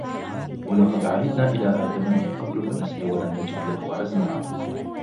وَلَقَدْ عَهِدْنَا إِلَى آدَمَ مِنْ قَبْلُ فَنَسِيَ وَلَمْ نَجِدْ لَهُ عَزْمًا